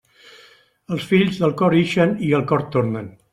Els fills, del cor ixen i al cor tornen.